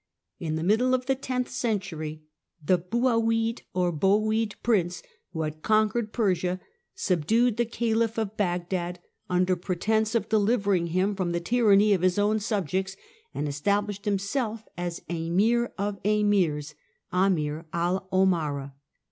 In the middle of the tenth century the Buhawid (Bowide) prince, who had conquered Persia, subdued the caliph of Bagdad, under pretence of delivering him from the tyranny of his own subjects, and established himself as Emir of Emirs (Amir al Omara).